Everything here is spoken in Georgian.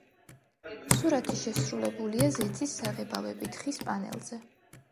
სურათი შესრულებულია ზეთის საღებავებით ხის პანელზე.